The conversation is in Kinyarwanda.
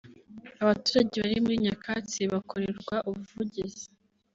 Abaturage bari muri Nyakatsi bakorerwa ubuvugizi